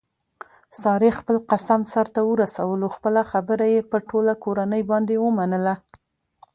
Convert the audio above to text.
سارې خپل قسم سرته ورسولو خپله خبره یې په ټوله کورنۍ باندې ومنله.